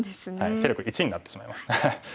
勢力１になってしまいました。